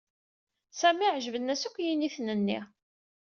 Sami ɛejben-as akk yiniten-nni.